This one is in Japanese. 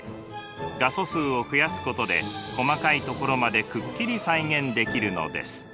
画素数を増やすことで細かい所までくっきり再現できるのです。